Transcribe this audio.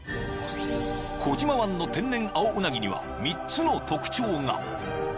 ［児島湾の天然青うなぎには３つの特徴が］